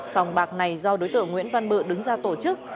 sòng bạc này do đối tượng nguyễn văn bự đứng ra tổ chức